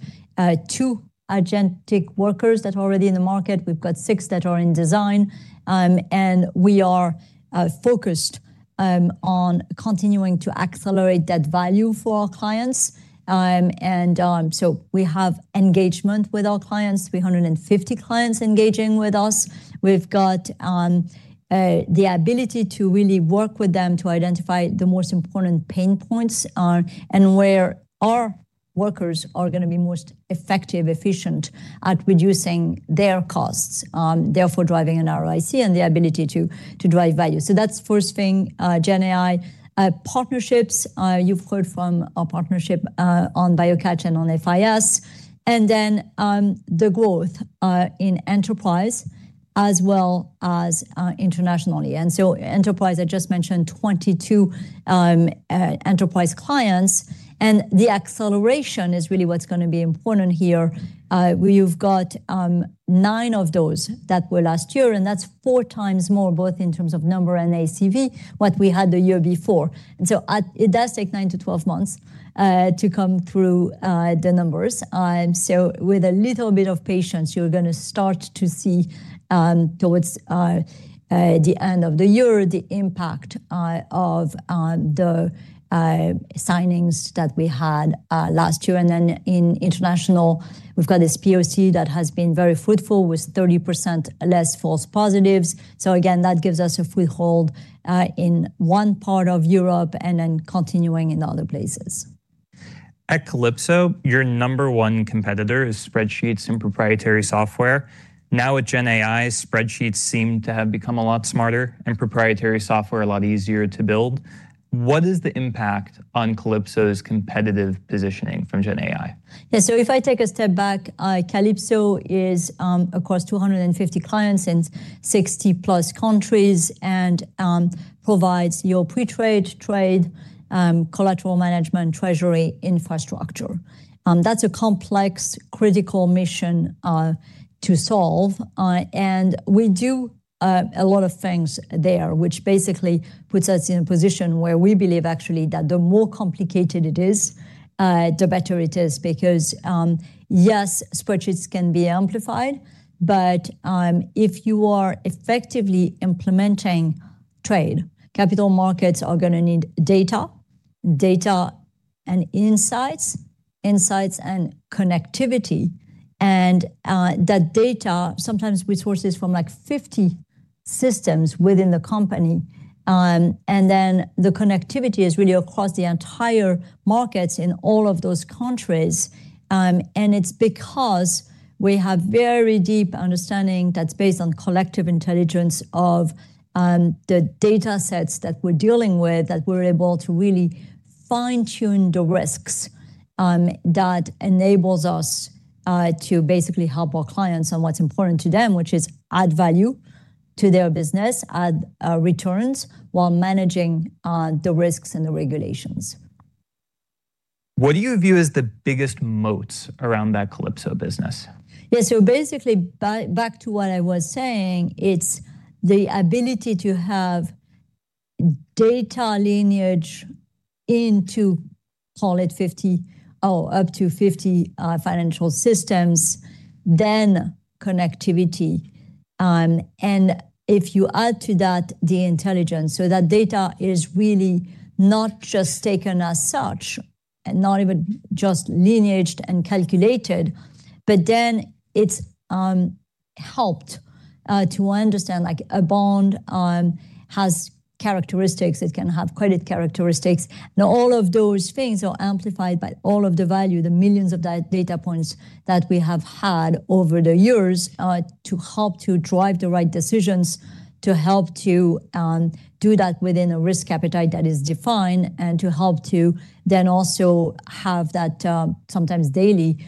two agentic workers that are already in the market. We've got six that are in design, and we are focused on continuing to accelerate that value for our clients. We have engagement with our clients, 350 clients engaging with us. We've got the ability to really work with them to identify the most important pain points, and where our workers are gonna be most effective, efficient at reducing their costs, therefore driving an ROIC and the ability to drive value. That's first thing, GenAI. Partnerships, you've heard from our partnership on BioCatch and on FIS. The growth in Enterprise as well as internationally. Enterprise, I just mentioned 22 enterprise clients. The acceleration is really what's gonna be important here. We've got nine of those that were last year, and that's 4x more, both in terms of number and ACV, what we had the year before. It does take 9-12 months to come through the numbers. With a little bit of patience, you're gonna start to see towards the end of the year, the impact of the signings that we had last year. In international, we've got this PoC that has been very fruitful with 30% less false positives. Again, that gives us a foothold in one part of Europe and then continuing in other places. At Calypso, your number one competitor is spreadsheets and proprietary software. Now with GenAI, spreadsheets seem to have become a lot smarter and proprietary software a lot easier to build. What is the impact on Calypso's competitive positioning from GenAI? Yeah. If I take a step back, Calypso is across 250 clients in 60+ countries and provides pre-trade, trade, collateral management, treasury infrastructure. That's a complex, critical mission to solve. We do a lot of things there, which basically puts us in a position where we believe actually that the more complicated it is, the better it is because yes, spreadsheets can be amplified, but if you are effectively implementing trade, capital markets are gonna need data and insights and connectivity. That data sometimes is sourced from like 50 systems within the company, and then the connectivity is really across the entire markets in all of those countries. It's because we have very deep understanding that's based on connected intelligence of the datasets that we're dealing with that we're able to really fine-tune the risks that enables us to basically help our clients on what's important to them, which is add value to their business, add returns while managing the risks and the regulations. What do you view as the biggest moats around that Calypso business? Yeah. Basically, back to what I was saying, it's the ability to have data lineage into, call it 50 or up to 50 financial systems, then connectivity. If you add to that the intelligence, so that data is really not just taken as such, and not even just lineaged and calculated, but then it's helped to understand like a bond has characteristics. It can have credit characteristics. Now all of those things are amplified by all of the value, the millions of data points that we have had over the years to help to drive the right decisions, to help to do that within a risk appetite that is defined, and to help to then also have that sometimes daily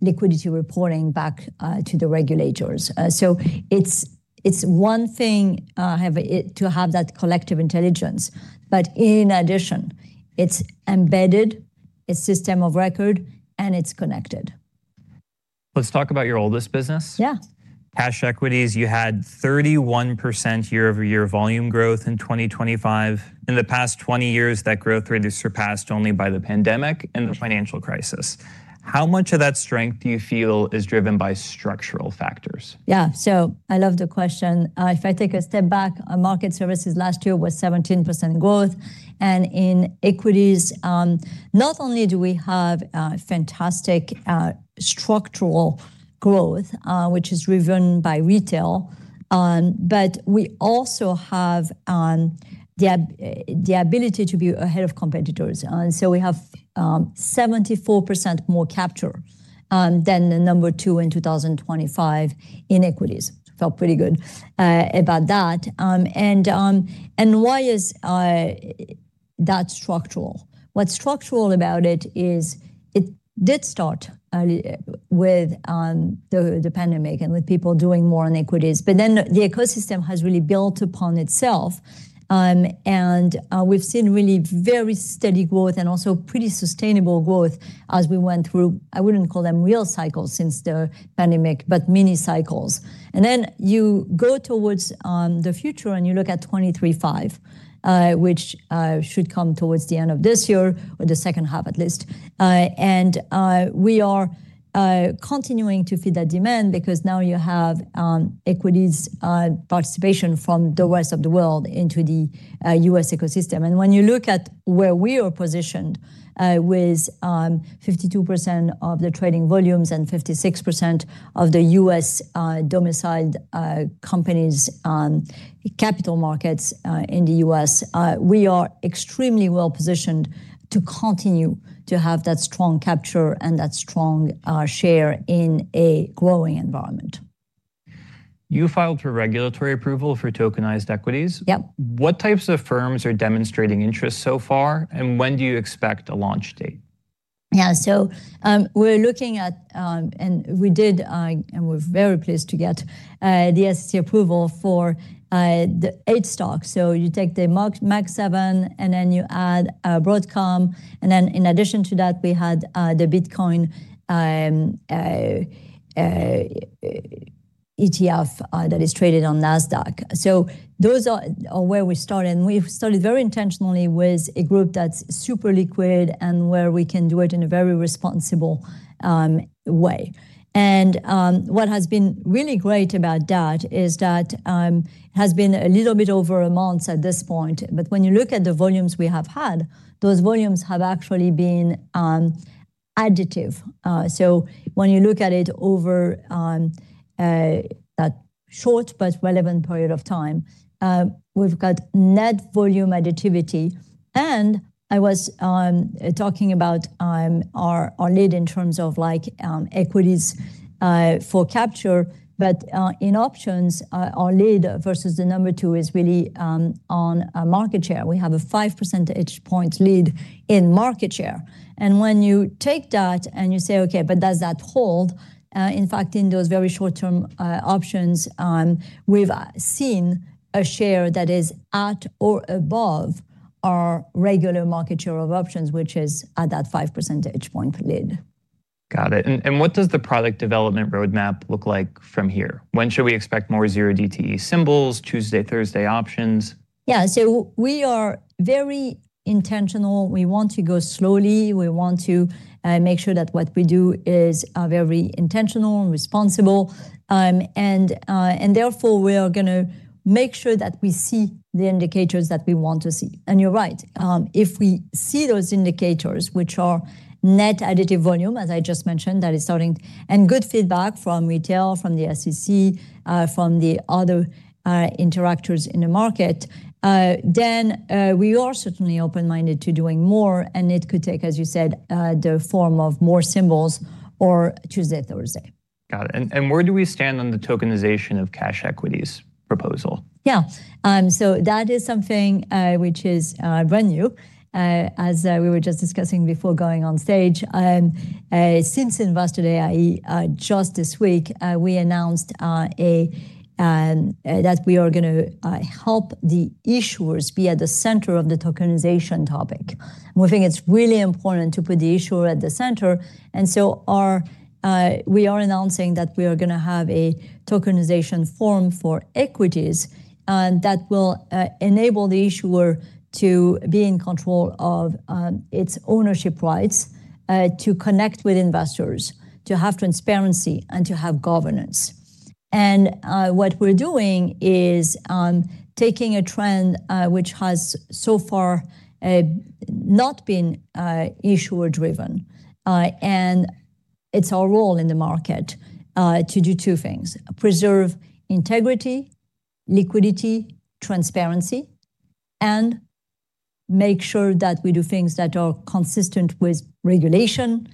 liquidity reporting back to the regulators. It's one thing to have that connected intelligence, but in addition, it's embedded, it's system of record, and it's connected. Let's talk about your oldest business. Yeah. Cash equities, you had 31% year-over-year volume growth in 2025. In the past 20 years, that growth rate is surpassed only by the pandemic and the financial crisis. How much of that strength do you feel is driven by structural factors? Yeah. I love the question. If I take a step back, our market services last year was 17% growth, and in equities, not only do we have fantastic structural growth, which is driven by retail, but we also have the ability to be ahead of competitors. We have 74% more capture than the number two in 2025 in equities. Felt pretty good about that. Why is that structural? What's structural about it is it did start with the pandemic and with people doing more in equities, but then the ecosystem has really built upon itself. We've seen really very steady growth and also pretty sustainable growth as we went through. I wouldn't call them real cycles since the pandemic, but mini cycles. You go towards the future, and you look at 2025, which should come towards the end of this year or the second half at least. We are continuing to feed that demand because now you have equities participation from the rest of the world into the U.S. ecosystem. When you look at where we are positioned, with 52% of the trading volumes and 56% of the U.S. domiciled companies capital markets in the U.S., we are extremely well positioned to continue to have that strong capture and that strong share in a growing environment. You filed for regulatory approval for tokenized equities. Yep. What types of firms are demonstrating interest so far, and when do you expect a launch date? We're very pleased to get the SEC approval for the eight stocks. You take the Mag Seven, and then you add Broadcom, and then in addition to that, we had the Bitcoin ETF that is traded on Nasdaq. Those are where we started, and we've started very intentionally with a group that's super liquid and where we can do it in a very responsible way. What has been really great about that is that it has been a little bit over a month at this point, but when you look at the volumes we have had, those volumes have actually been additive. When you look at it over that short but relevant period of time, we've got net volume additivity. I was talking about our lead in terms of like equities for capture. In options, our lead versus the number two is really on a market share. We have a five percentage point lead in market share. When you take that and you say, "Okay, but does that hold?" In fact, in those very short-term options, we've seen a share that is at or above our regular market share of options, which is at that five percentage point lead. Got it. What does the product development roadmap look like from here? When should we expect more zero DTE symbols, Tuesday, Thursday options? Yeah. We are very intentional. We want to go slowly. We want to make sure that what we do is very intentional and responsible. Therefore, we are gonna make sure that we see the indicators that we want to see. You're right. If we see those indicators, which are net additive volume, as I just mentioned, that is starting, and good feedback from retail, from the SEC, from the other actors in the market, then we are certainly open-minded to doing more, and it could take, as you said, the form of more symbols or Tuesday, Thursday. Got it. Where do we stand on the tokenization of cash equities proposal? Yeah. So that is something which is brand new. As we were just discussing before going on stage. Since Investor Day just this week, we announced that we are gonna help the issuers be at the center of the tokenization topic. We think it's really important to put the issuer at the center. We are announcing that we are gonna have a tokenization forum for equities that will enable the issuer to be in control of its ownership rights to connect with investors, to have transparency, and to have governance. What we're doing is taking a trend which has so far not been issuer driven. It's our role in the market to do two things, preserve integrity, liquidity, transparency, and make sure that we do things that are consistent with regulation.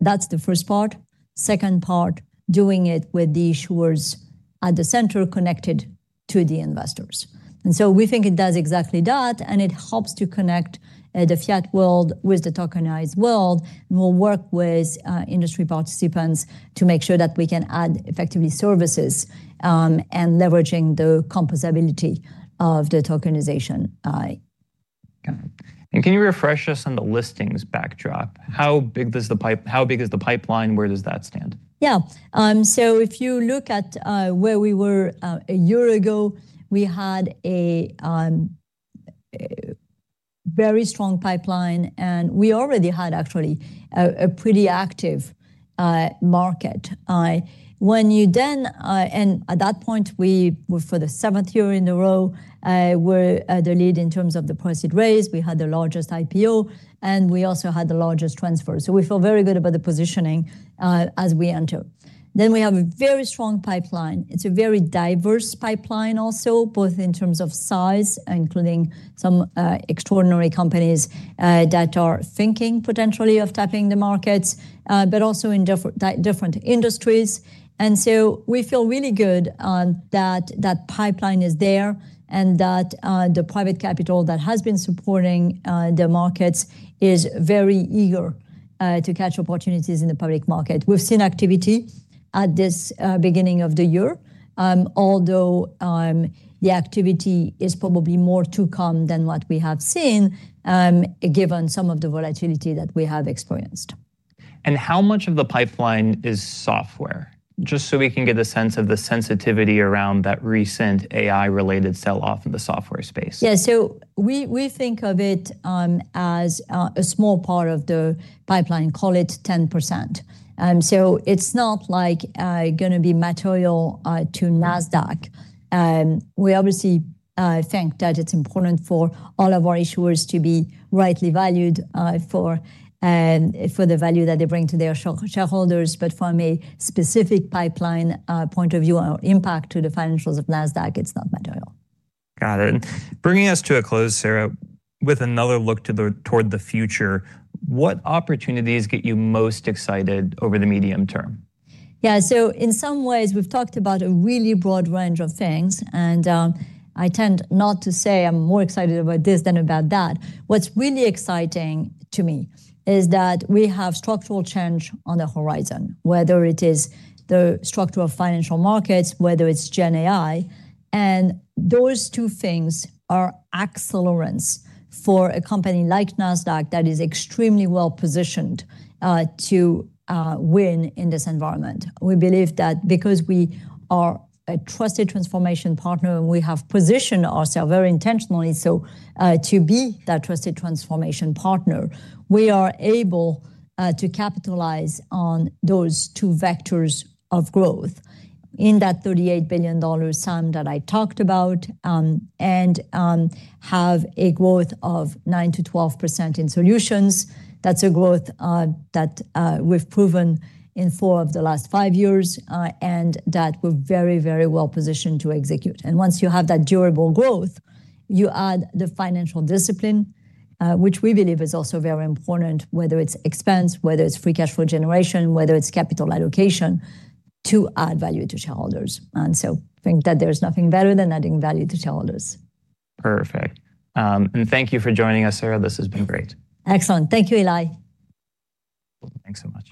That's the first part. Second part, doing it with the issuers at the center connected to the investors. We think it does exactly that, and it helps to connect the fiat world with the tokenized world, and we'll work with industry participants to make sure that we can add effectively services, and leveraging the composability of the tokenization. Got it. Can you refresh us on the listings backdrop? How big is the pipeline? Where does that stand? Yeah. If you look at where we were a year ago, we had a very strong pipeline, and we already had actually a pretty active market. At that point, we were for the seventh year in a row the lead in terms of the proceeds raised. We had the largest IPO, and we also had the largest transfer. We feel very good about the positioning as we enter. We have a very strong pipeline. It's a very diverse pipeline also, both in terms of size, including some extraordinary companies that are thinking potentially of tapping the markets, but also in different industries. We feel really good that the pipeline is there and that the private capital that has been supporting the markets is very eager to catch opportunities in the public market. We've seen activity at this beginning of the year, although the activity is probably more to come than what we have seen, given some of the volatility that we have experienced. How much of the pipeline is software? Just so we can get a sense of the sensitivity around that recent AI-related sell-off in the software space. Yeah. We think of it as a small part of the pipeline, call it 10%. It's not like gonna be material to Nasdaq. We obviously think that it's important for all of our issuers to be rightly valued, and for the value that they bring to their shareholders, but from a specific pipeline point of view or impact to the financials of Nasdaq, it's not material. Got it. Bringing us to a close, Sarah, with another look toward the future, what opportunities get you most excited over the medium term? Yeah. In some ways we've talked about a really broad range of things, and I tend not to say I'm more excited about this than about that. What's really exciting to me is that we have structural change on the horizon, whether it is the structure of financial markets, whether it's GenAI. Those two things are accelerants for a company like Nasdaq that is extremely well-positioned to win in this environment. We believe that because we are a trusted transformation partner, and we have positioned ourselves very intentionally so to be that trusted transformation partner, we are able to capitalize on those two vectors of growth in that $38 billion sum that I talked about, and have a growth of 9%-12% in solutions. That's a growth that we've proven in four of the last five years, and that we're very, very well positioned to execute. Once you have that durable growth, you add the financial discipline, which we believe is also very important, whether it's expense, whether it's free cash flow generation, whether it's capital allocation to add value to shareholders. Think that there's nothing better than adding value to shareholders. Perfect. Thank you for joining us, Sarah. This has been great. Excellent. Thank you, Eli. Thanks so much.